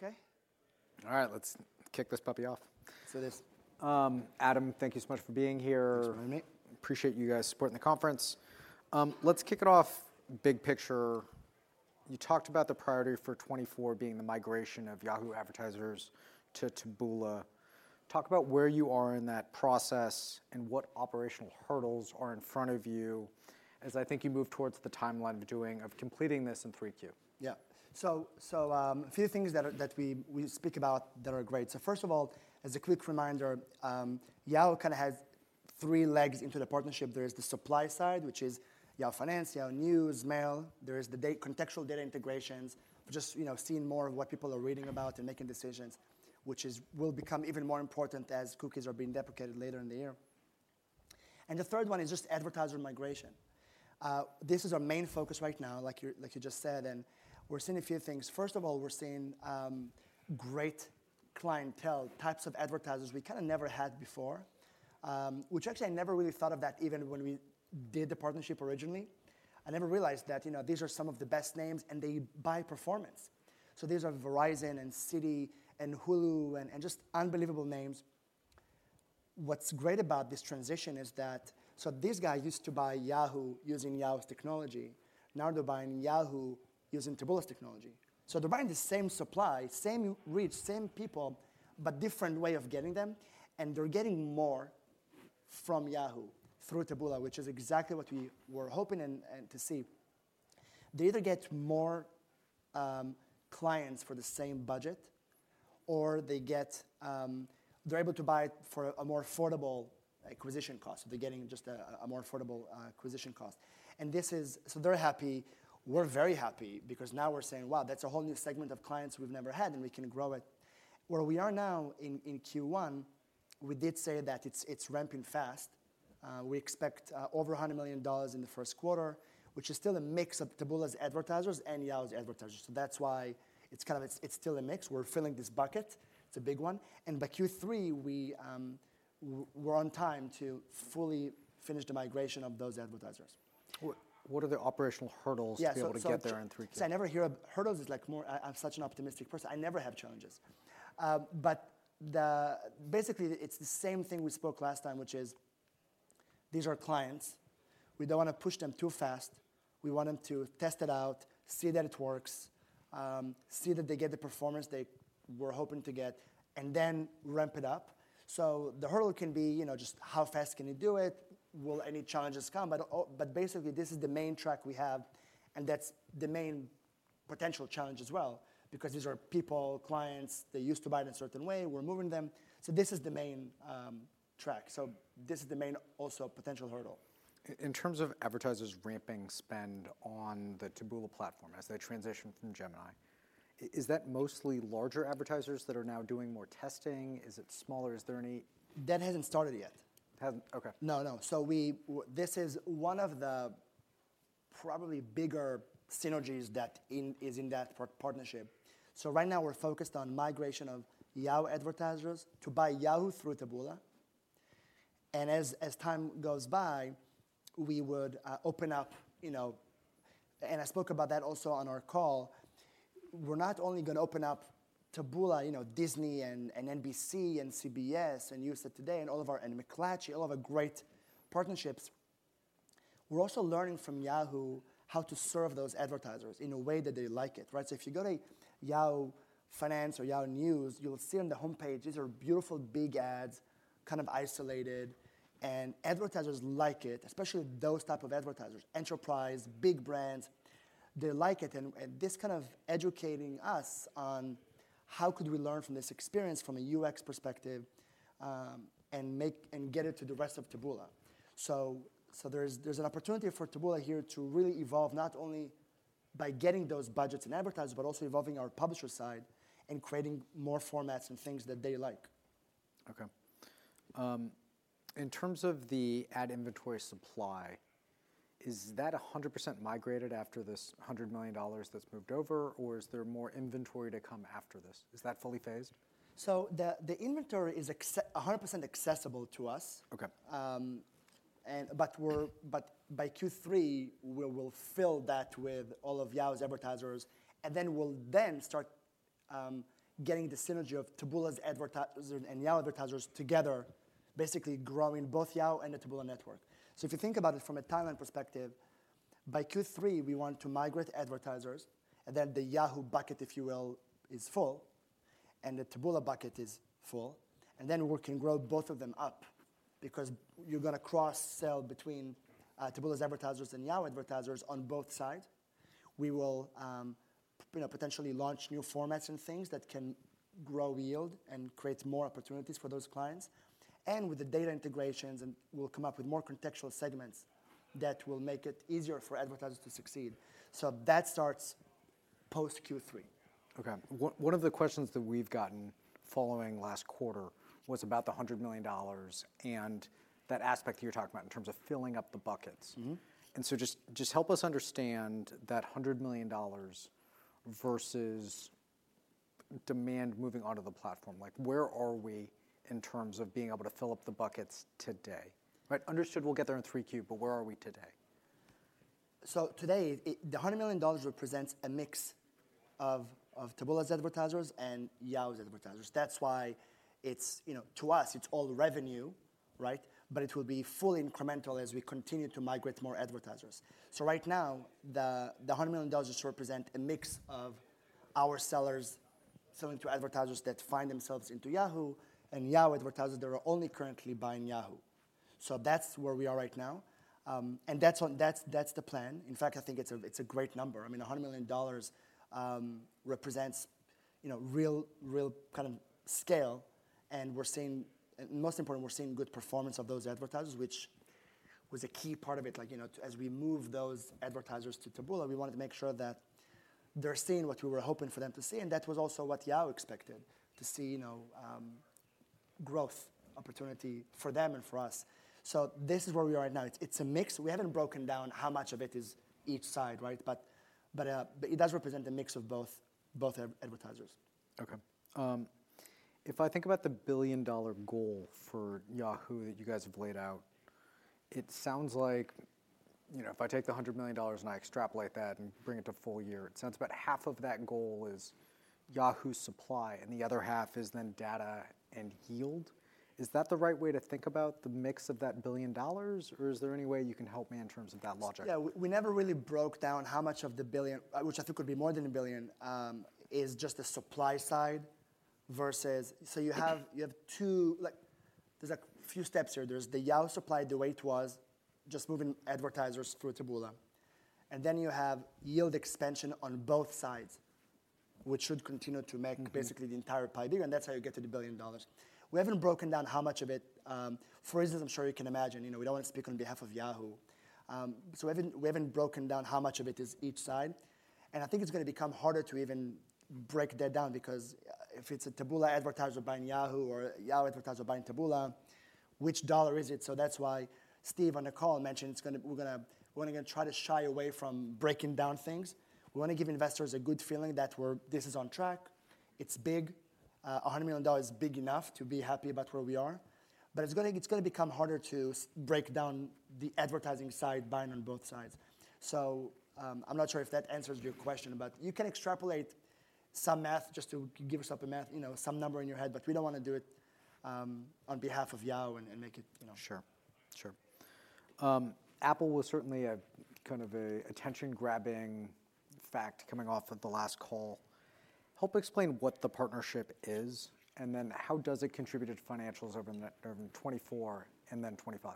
Okay. All right, let's kick this puppy off. Let's do this. Adam, thank you so much for being here. Thanks for having me. Appreciate you guys supporting the conference. Let's kick it off, big picture. You talked about the priority for 2024 being the migration of Yahoo advertisers to Taboola. Talk about where you are in that process, and what operational hurdles are in front of you, as I think you move towards the timeline of doing, of completing this in 3Q? Yeah. So, a few things that we speak about that are great. So first of all, as a quick reminder, Yahoo kind of has three legs into the partnership. There is the supply side, which is Yahoo Finance, Yahoo News, Mail. There is the contextual data integrations, for just, you know, seeing more of what people are reading about and making decisions, which will become even more important as cookies are being deprecated later in the year. And the third one is just advertiser migration. This is our main focus right now, like you just said, and we're seeing a few things. First of all, we're seeing great clientele, types of advertisers we kind of never had before, which actually I never really thought of that even when we did the partnership originally. I never realized that, you know, these are some of the best names, and they buy performance. So these are Verizon, and Citi, and Hulu, and just unbelievable names. What's great about this transition is that... So these guys used to buy Yahoo using Yahoo's technology. Now they're buying Yahoo using Taboola's technology. So they're buying the same supply, same reach, same people, but different way of getting them, and they're getting more from Yahoo through Taboola, which is exactly what we were hoping and to see. They either get more clients for the same budget, or they get, they're able to buy for a more affordable acquisition cost. They're getting just a more affordable acquisition cost. And this is... So they're happy. We're very happy because now we're saying, "Wow, that's a whole new segment of clients we've never had, and we can grow it." Where we are now in Q1, we did say that it's ramping fast. We expect over $100 million in the first quarter, which is still a mix of Taboola's advertisers and Yahoo's advertisers. So that's why it's kind of still a mix. We're filling this bucket. It's a big one, and by Q3, we're on time to fully finish the migration of those advertisers. What are the operational hurdles? Yeah, so, -to be able to get there in 3Q?... So I never hear hurdles, as like more. I'm such an optimistic person. I never have challenges. But basically, it's the same thing we spoke last time, which is, these are clients. We don't want to push them too fast. We want them to test it out, see that it works, see that they get the performance they were hoping to get, and then ramp it up. So the hurdle can be, you know, just how fast can you do it? Will any challenges come? But basically, this is the main track we have, and that's the main potential challenge as well, because these are people, clients, they used to buy it in a certain way. We're moving them. So this is the main track. So this is the main, also, potential hurdle. In terms of advertisers ramping spend on the Taboola platform as they transition from Gemini, is that mostly larger advertisers that are now doing more testing? Is it smaller? Is there any- That hasn't started yet. Hasn't... Okay. No, no. So, this is one of the probably bigger synergies that is in that partnership. So right now, we're focused on migration of Yahoo advertisers to buy Yahoo through Taboola, and as time goes by, we would open up, you know. And I spoke about that also on our call. We're not only gonna open up Taboola, you know, Disney, and NBC, and CBS, and USA Today, and McClatchy, all of our great partnerships. We're also learning from Yahoo how to serve those advertisers in a way that they like it, right? So if you go to Yahoo Finance or Yahoo News, you'll see on the homepage, these are beautiful, big ads, kind of isolated, and advertisers like it, especially those type of advertisers, enterprise, big brands, they like it. And this kind of educating us on how could we learn from this experience from a UX perspective, and make and get it to the rest of Taboola. So, there's an opportunity for Taboola here to really evolve, not only by getting those budgets and advertisers, but also evolving our publisher side and creating more formats and things that they like. Okay. In terms of the ad inventory supply, is that 100% migrated after this $100 million that's moved over, or is there more inventory to come after this? Is that fully phased? So the inventory is 100% accessible to us. Okay. But by Q3, we will fill that with all of Yahoo's advertisers, and then we'll start getting the synergy of Taboola's advertiser and Yahoo advertisers together, basically growing both Yahoo and the Taboola network. So if you think about it from a timeline perspective, by Q3, we want to migrate advertisers, and then the Yahoo bucket, if you will, is full, and the Taboola bucket is full, and then we can grow both of them up. Because you're gonna cross-sell between Taboola's advertisers and Yahoo advertisers on both sides. We will, you know, potentially launch new formats and things that can grow yield and create more opportunities for those clients. And with the data integrations, and we'll come up with more contextual segments that will make it easier for advertisers to succeed. So that starts post-Q3. Okay. One, one of the questions that we've gotten following last quarter was about the $100 million and that aspect you're talking about in terms of filling up the buckets. Mm-hmm. And so just, just help us understand that $100 million versus demand moving onto the platform. Like, where are we in terms of being able to fill up the buckets today? Right, understood we'll get there in 3Q, but where are we today?... so today, the $100 million represents a mix of Taboola's advertisers and Yahoo's advertisers. That's why it's, you know, to us, it's all revenue, right? But it will be fully incremental as we continue to migrate more advertisers. So right now, the $100 million just represent a mix of our sellers selling to advertisers that find themselves into Yahoo, and Yahoo advertisers that are only currently buying Yahoo. So that's where we are right now. And that's the plan. In fact, I think it's a great number. I mean, $100 million represents, you know, real kind of scale, and we're seeing... And most important, we're seeing good performance of those advertisers, which was a key part of it. Like, you know, as we move those advertisers to Taboola, we wanted to make sure that they're seeing what we were hoping for them to see, and that was also what Yahoo expected, to see, you know, growth, opportunity for them and for us. So this is where we are right now. It's a mix. We haven't broken down how much of it is each side, right? But it does represent a mix of both advertisers. Okay. If I think about the billion-dollar goal for Yahoo that you guys have laid out, it sounds like, you know, if I take the $100 million, and I extrapolate that and bring it to full year, it sounds about half of that goal is Yahoo supply, and the other half is then data and yield. Is that the right way to think about the mix of that billion dollars, or is there any way you can help me in terms of that logic? Yeah, we never really broke down how much of the $1 billion, which I think could be more than $1 billion, is just the supply side versus... So you have two, like, there's like a few steps here. There's the Yahoo supply, the way it was, just moving advertisers through Taboola, and then you have yield expansion on both sides, which should continue to make- Mm-hmm... basically the entire pie there, and that's how you get to the $1 billion. We haven't broken down how much of it. For reasons I'm sure you can imagine, you know, we don't want to speak on behalf of Yahoo. So we haven't broken down how much of it is each side, and I think it's gonna become harder to even break that down because if it's a Taboola advertiser buying Yahoo or a Yahoo advertiser buying Taboola, which dollar is it? So that's why Steve on the call mentioned we're gonna, we're not gonna try to shy away from breaking down things. We wanna give investors a good feeling that we're, this is on track. It's big. $100 million is big enough to be happy about where we are, but it's gonna become harder to break down the advertising side buying on both sides. So, I'm not sure if that answers your question, but you can extrapolate some math just to give yourself a math, you know, some number in your head, but we don't wanna do it on behalf of Yahoo and make it, you know- Sure. Sure. Apple was certainly a kind of a attention-grabbing fact coming off of the last call. Help explain what the partnership is, and then how does it contribute to financials over 2024 and then 2025?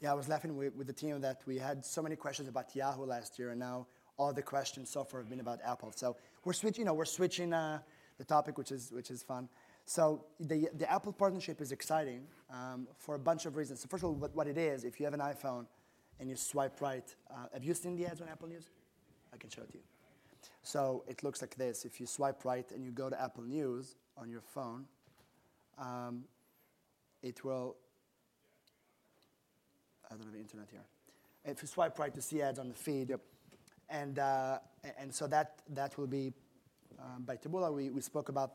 Yeah, I was laughing with the team that we had so many questions about Yahoo last year, and now all the questions so far have been about Apple. So we're switching, you know, we're switching the topic, which is fun. So the Apple partnership is exciting for a bunch of reasons. So first of all, what it is, if you have an iPhone and you swipe right. Have you seen the ads on Apple News? I can show it to you. So it looks like this. If you swipe right and you go to Apple News on your phone, it will. I don't have internet here. If you swipe right, you see ads on the feed. Yep. And so that will be by Taboola. We spoke about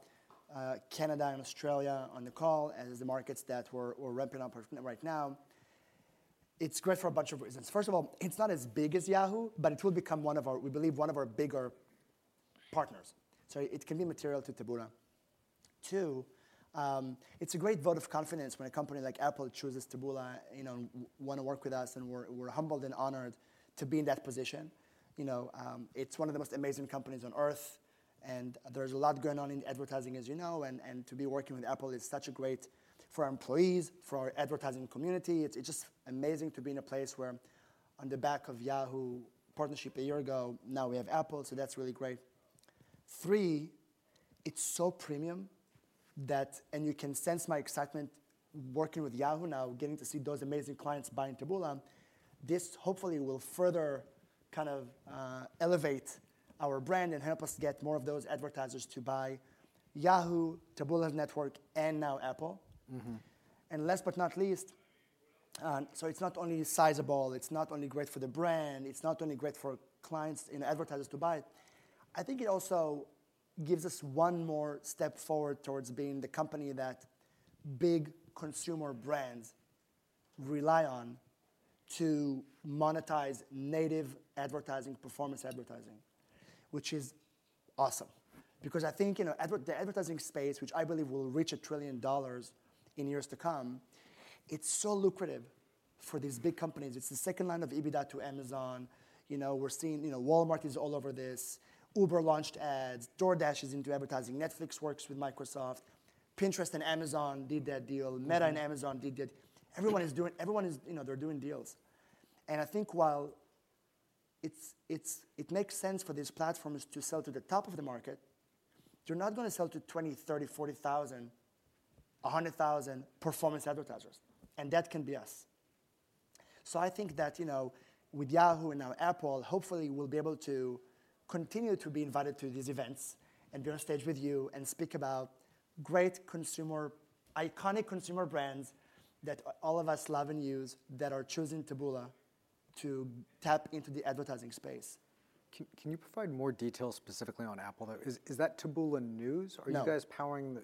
Canada and Australia on the call as the markets that we're ramping up right now. It's great for a bunch of reasons. First of all, it's not as big as Yahoo!, but it will become one of our, we believe, one of our bigger partners, so it can be material to Taboola. Two, it's a great vote of confidence when a company like Apple chooses Taboola, you know, want to work with us, and we're humbled and honored to be in that position. You know, it's one of the most amazing companies on earth, and there's a lot going on in advertising, as you know, and to be working with Apple is such a great for our employees, for our advertising community. It's just amazing to be in a place where on the back of Yahoo partnership a year ago, now we have Apple, so that's really great. Three, it's so premium that... And you can sense my excitement working with Yahoo now, getting to see those amazing clients buying Taboola. This hopefully will further kind of elevate our brand and help us get more of those advertisers to buy Yahoo, Taboola network, and now Apple. Mm-hmm. And last but not least, so it's not only sizable, it's not only great for the brand, it's not only great for clients and advertisers to buy it, I think it also gives us one more step forward towards being the company that big consumer brands rely on to monetize native advertising, performance advertising. Which is awesome, because I think, you know, advertising space, which I believe will reach $1 trillion in years to come, it's so lucrative for these big companies. It's the second line of EBITDA to Amazon. You know, we're seeing, you know, Walmart is all over this. Uber launched ads. DoorDash is into advertising. Netflix works with Microsoft. Pinterest and Amazon did that deal. Mm-hmm. Meta and Amazon did that. Everyone is, you know, doing deals. And I think while it's, it makes sense for these platforms to sell to the top of the market, they're not gonna sell to 20, 30, 40,000, 100,000 performance advertisers, and that can be us. So I think that, you know, with Yahoo and now Apple, hopefully we'll be able to continue to be invited to these events and be on stage with you and speak about great consumer, iconic consumer brands that all of us love and use, that are choosing Taboola to tap into the advertising space. Can you provide more details specifically on Apple, though? Is that Taboola News? No. Are you guys powering...?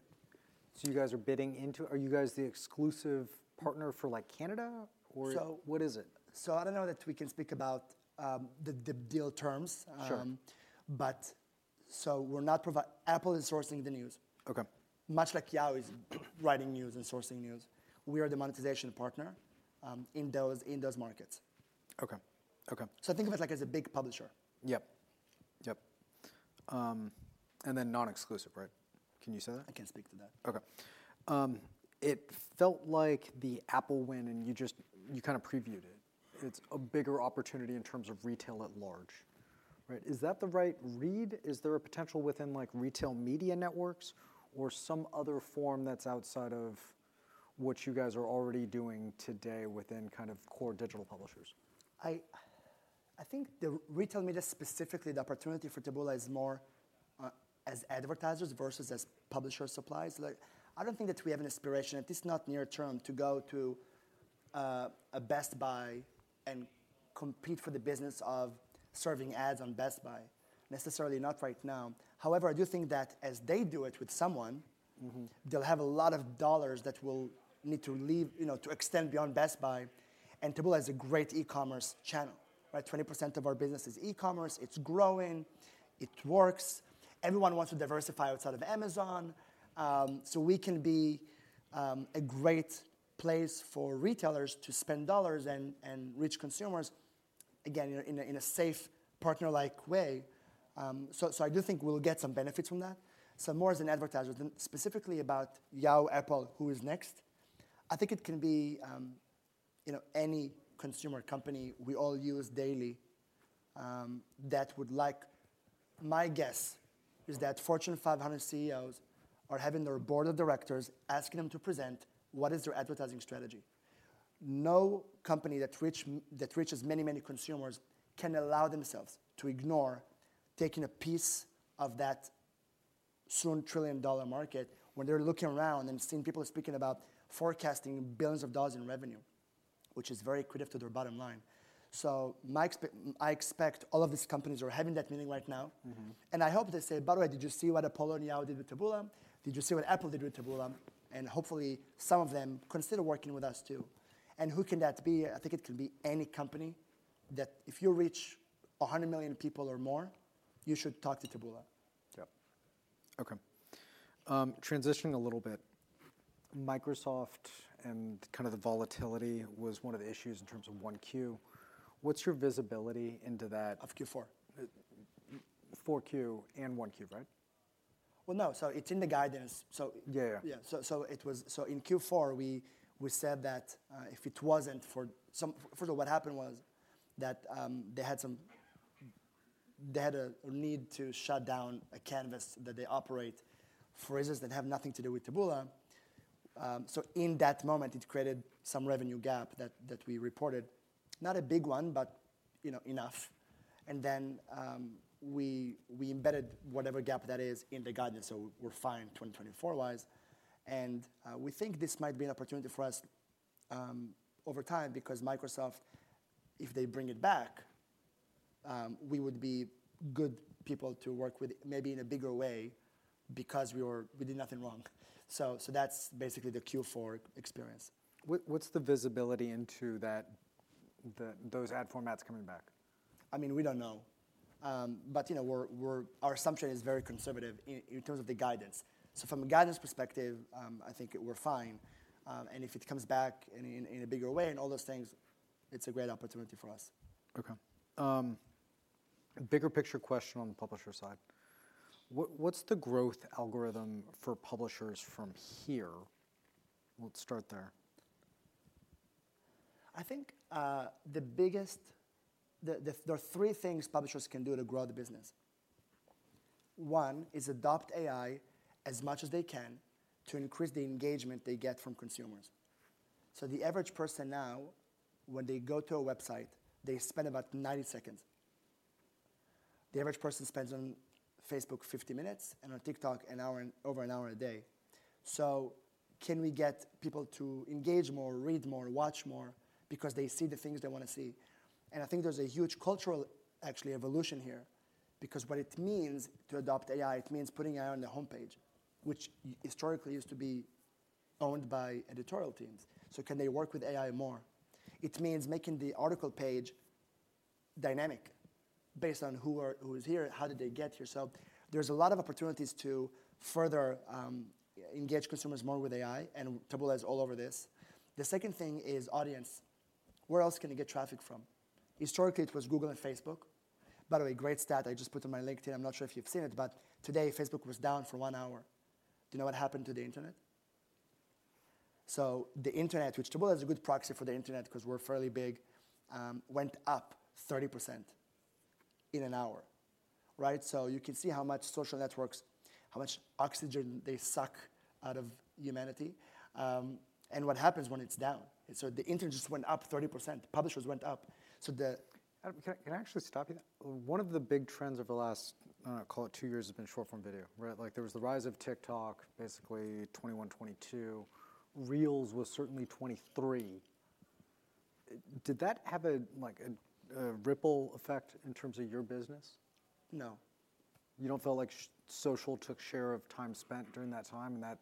So you guys are bidding into, are you guys the exclusive partner for, like, Canada, or? So- What is it? I don't know that we can speak about the deal terms. Sure. But we're not. Apple is sourcing the news. Okay. Much like Yahoo is writing news and sourcing news. We are the monetization partner in those markets. Okay. Okay. So think of it like as a big publisher. Yep. Yep. And then non-exclusive, right? Can you say that? I can't speak to that. Okay. It felt like the Apple win, and you just, you kind of previewed it, it's a bigger opportunity in terms of retail at large, right? Is that the right read? Is there a potential within, like, retail media networks or some other form that's outside of what you guys are already doing today within kind of core digital publishers? I think the retail media, specifically the opportunity for Taboola is more, as advertisers versus as publisher suppliers. Like, I don't think that we have an aspiration, at least not near term, to go to a Best Buy and compete for the business of serving ads on Best Buy, necessarily not right now. However, I do think that as they do it with someone- Mm-hmm... they'll have a lot of dollars that will need to leave, you know, to extend beyond Best Buy, and Taboola is a great e-commerce channel, right? 20% of our business is e-commerce. It's growing. It works. Everyone wants to diversify outside of Amazon. So we can be a great place for retailers to spend dollars and reach consumers, again, in a safe, partner-like way. So I do think we'll get some benefits from that, so more as an advertiser. Then specifically about Yahoo, Apple, who is next? I think it can be, you know, any consumer company we all use daily, that would like... My guess is that Fortune 500 CEOs are having their board of directors asking them to present what is their advertising strategy. No company that reaches many, many consumers can allow themselves to ignore taking a piece of that soon trillion-dollar market when they're looking around and seeing people speaking about forecasting billions of dollars in revenue, which is very critical to their bottom line. So, I expect all of these companies are having that meeting right now. Mm-hmm. I hope they say, "By the way, did you see what Apollo and Yahoo did with Taboola? Did you see what Apple did with Taboola?" Hopefully, some of them consider working with us too. Who can that be? I think it can be any company that if you reach 100 million people or more, you should talk to Taboola. Yep. Okay. Transitioning a little bit, Microsoft and kind of the volatility was one of the issues in terms of 1Q. What's your visibility into that? Of Q4. 4Q and 1Q, right? Well, no, so it's in the guidance, so... Yeah, yeah. So in Q4, we said that if it wasn't for some... First of all, what happened was that they had a need to shut down a canvas that they operate for reasons that have nothing to do with Taboola. So in that moment, it created some revenue gap that we reported. Not a big one, but, you know, enough. And then, we embedded whatever gap that is in the guidance, so we're fine 2024-wise. And, we think this might be an opportunity for us over time, because Microsoft, if they bring it back, we would be good people to work with, maybe in a bigger way, because we did nothing wrong. So that's basically the Q4 experience. What's the visibility into that, those ad formats coming back? I mean, we don't know. But you know, our assumption is very conservative in terms of the guidance. So from a guidance perspective, I think we're fine, and if it comes back in a bigger way and all those things, it's a great opportunity for us. Okay. A bigger picture question on the publisher side: What, what's the growth algorithm for publishers from here? We'll start there. I think there are three things publishers can do to grow the business. One is adopt AI as much as they can to increase the engagement they get from consumers. So the average person now, when they go to a website, they spend about 90 seconds. The average person spends on Facebook 50 minutes, and on TikTok an hour, over an hour a day. So can we get people to engage more, read more, watch more, because they see the things they want to see? And I think there's a huge cultural, actually, evolution here, because what it means to adopt AI, it means putting AI on the homepage, which historically used to be owned by editorial teams. So can they work with AI more? It means making the article page dynamic based on who is here, how did they get here? So there's a lot of opportunities to further engage consumers more with AI, and Taboola is all over this. The second thing is audience. Where else can you get traffic from? Historically, it was Google and Facebook. By the way, great stat I just put on my LinkedIn. I'm not sure if you've seen it, but today Facebook was down for one hour. Do you know what happened to the internet? So the internet, which Taboola is a good proxy for the internet 'cause we're fairly big, went up 30% in an hour, right? So you can see how much social networks, how much oxygen they suck out of humanity, and what happens when it's down. So the internet just went up 30%. Publishers went up. So the- Can I actually stop you there? One of the big trends over the last, I don't know, call it two years, has been short-form video, right? Like there was the rise of TikTok, basically 2021, 2022. Reels was certainly 2023.... Did that have, like, a ripple effect in terms of your business? No. You don't feel like social took share of time spent during that time, and that,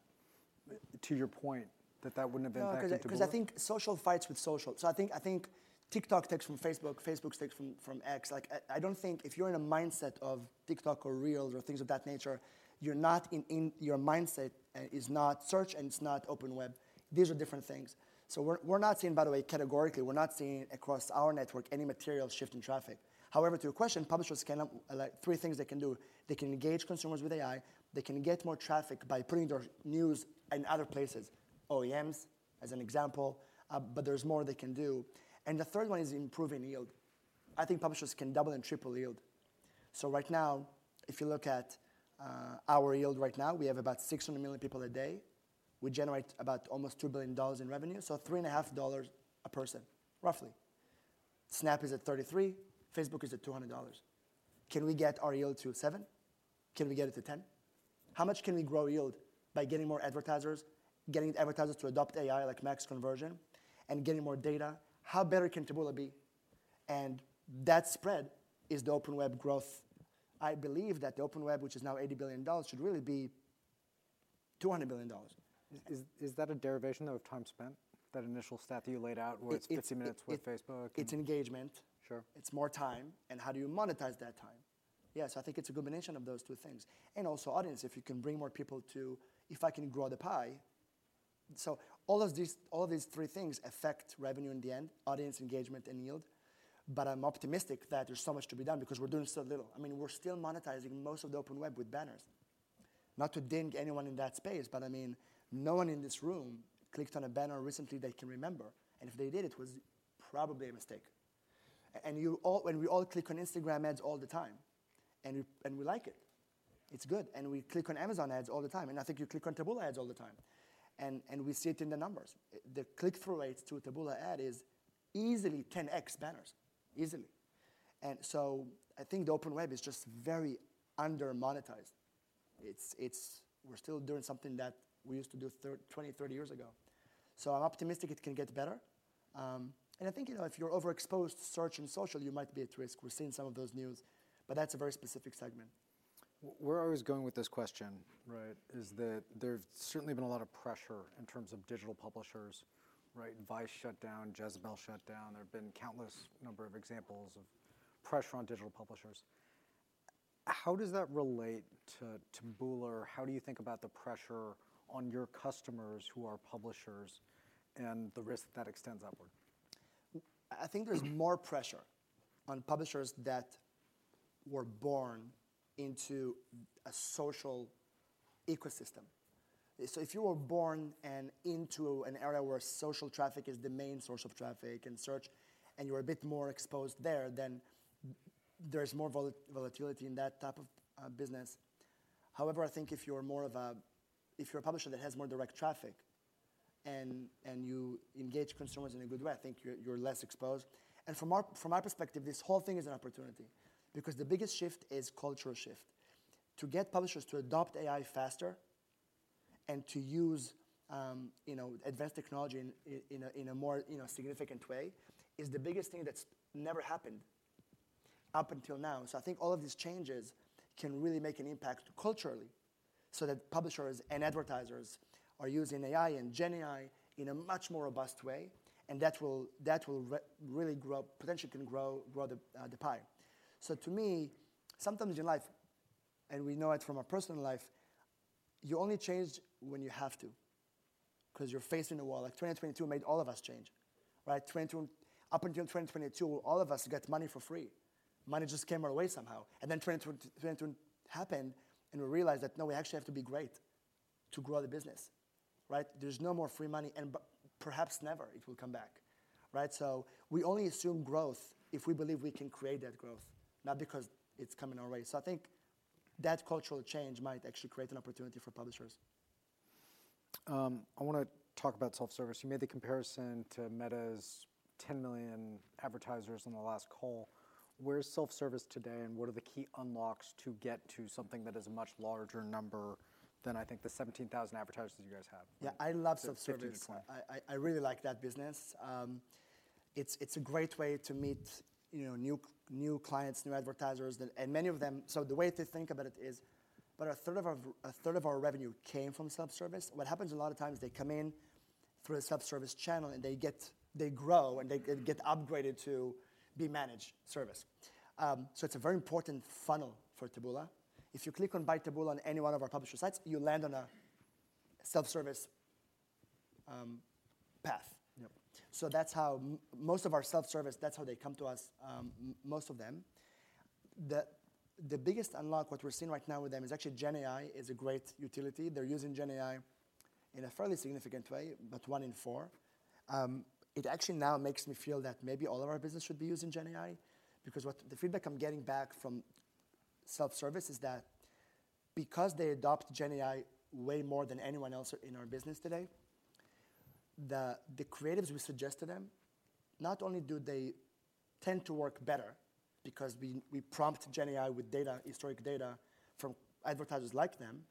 to your point, that that wouldn't have impacted Taboola? No, 'cause I, 'cause I think social fights with social. So I think, I think TikTok takes from Facebook, Facebook takes from, from X. Like, I, I don't think if you're in a mindset of TikTok or Reels or things of that nature, you're not in... Your mindset is not search, and it's not Open Web. These are different things. So we're, we're not seeing, by the way, categorically, we're not seeing across our network any material shift in traffic. However, to your question, publishers can, like three things they can do: They can engage consumers with AI, they can get more traffic by putting their news in other places, OEMs, as an example, but there's more they can do, and the third one is improving yield. I think publishers can double and triple yield. So right now, if you look at our yield right now, we have about 600 million people a day. We generate about almost $2 billion in revenue, so $3.50 a person, roughly. Snap is at $33, Facebook is at $200. Can we get our yield to $7? Can we get it to $10? How much can we grow yield by getting more advertisers, getting advertisers to adopt AI, like max conversion, and getting more data? How better can Taboola be? And that spread is the open web growth. I believe that the open web, which is now $80 billion, should really be $200 billion. Is that a derivation, though, of time spent, that initial stat that you laid out, where it's 50 minutes with Facebook? It's engagement. Sure. It's more time, and how do you monetize that time? Yes, I think it's a combination of those two things, and also audience, if you can bring more people to... If I can grow the pie. So all of these, all of these three things affect revenue in the end, audience engagement, and yield. But I'm optimistic that there's so much to be done because we're doing so little. I mean, we're still monetizing most of the Open Web with banners. Not to ding anyone in that space, but I mean, no one in this room clicked on a banner recently they can remember, and if they did, it was probably a mistake. And you all, and we all click on Instagram ads all the time, and we, and we like it. It's good. And we click on Amazon ads all the time, and I think you click on Taboola ads all the time, and we see it in the numbers. The click-through rates to a Taboola ad is easily 10x banners, easily. So I think the Open Web is just very under-monetized. We're still doing something that we used to do 20, 30 years ago. So I'm optimistic it can get better. And I think, you know, if you're overexposed to search and social, you might be at risk. We're seeing some of those news, but that's a very specific segment. Where I was going with this question, right, is that there's certainly been a lot of pressure in terms of digital publishers, right? Vice shut down, Jezebel shut down. There have been countless number of examples of pressure on digital publishers. How does that relate to Taboola, or how do you think about the pressure on your customers who are publishers and the risk that extends upward? I think there's more pressure on publishers that were born into a social ecosystem. So if you were born into an era where social traffic is the main source of traffic and search, and you're a bit more exposed there, then there's more volatility in that type of business. However, I think if you're more of a... If you're a publisher that has more direct traffic and you engage consumers in a good way, I think you're less exposed. And from my perspective, this whole thing is an opportunity, because the biggest shift is cultural shift. To get publishers to adopt AI faster and to use, you know, advanced technology in a more significant way, is the biggest thing that's never happened up until now. So I think all of these changes can really make an impact culturally, so that publishers and advertisers are using AI and GenAI in a much more robust way, and that will really grow, potentially can grow, grow the pie. So to me, sometimes in life, and we know it from our personal life, you only change when you have to, 'cause you're facing a wall. Like, 2022 made all of us change, right? 2022... Up until 2022, all of us got money for free. Money just came our way somehow, and then 2022, 2022 happened, and we realized that, no, we actually have to be great to grow the business, right? There's no more free money, and but perhaps never, it will come back, right? We only assume growth if we believe we can create that growth, not because it's coming our way. I think that cultural change might actually create an opportunity for publishers. I wanna talk about self-service. You made the comparison to Meta's 10 million advertisers on the last call. Where's self-service today, and what are the key unlocks to get to something that is a much larger number than, I think, the 17,000 advertisers you guys have? Yeah, I love self-service. Seventeen thousand. I really like that business. It's a great way to meet, you know, new clients, new advertisers, that, and many of them... So the way to think about it is, about a third of our revenue came from self-service. What happens a lot of times, they come in through a self-service channel, and they get, they grow, and they get upgraded to be managed service. So it's a very important funnel for Taboola. If you click on By Taboola on any one of our publisher sites, you land on a self-service path. Yep. So that's how most of our self-service, that's how they come to us, most of them. The biggest unlock, what we're seeing right now with them, is actually GenAI is a great utility. They're using GenAI in a fairly significant way, about 1 in 4. It actually now makes me feel that maybe all of our business should be using GenAI, because what the feedback I'm getting back from self-service is that, because they adopt GenAI way more than anyone else in our business today, the creatives we suggest to them, not only do they tend to work better, because we prompt GenAI with data, historic data from advertisers like them,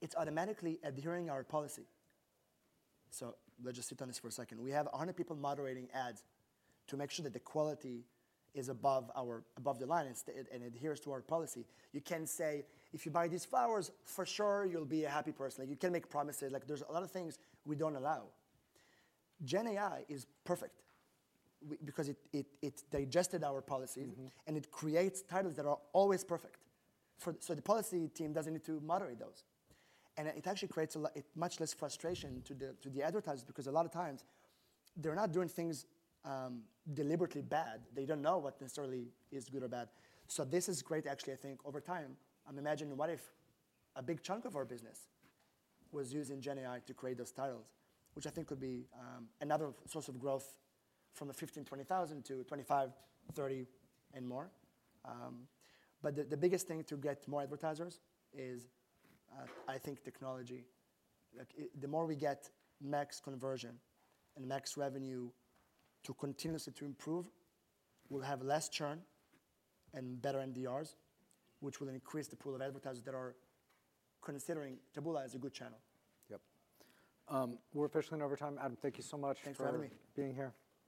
it's automatically adhering our policy. So let's just sit on this for a second. We have 100 people moderating ads to make sure that the quality is above the line, and adheres to our policy. You can't say: If you buy these flowers, for sure, you'll be a happy person. You can't make promises. Like, there's a lot of things we don't allow. GenAI is perfect because it digested our policy. Mm-hmm... and it creates titles that are always perfect. So the policy team doesn't need to moderate those, and it actually creates a lot, a much less frustration to the, to the advertisers, because a lot of times they're not doing things deliberately bad. They don't know what necessarily is good or bad. So this is great, actually. I think over time, I'm imagining, what if a big chunk of our business was using GenAI to create those titles? Which I think could be another source of growth from the 15-20 thousand to 25-30, and more. But the biggest thing to get more advertisers is, I think, technology. Like, the more we get Max Conversion and Max Revenue to continuously improve, we'll have less churn and better NDRs, which will increase the pool of advertisers that are considering Taboola as a good channel. Yep. We're officially in overtime. Adam, thank you so much for- Thanks for having me.... being here.